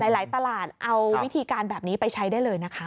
หลายตลาดเอาวิธีการแบบนี้ไปใช้ได้เลยนะคะ